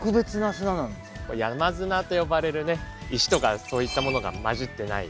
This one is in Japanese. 山砂と呼ばれる石とかそういったものが混じってない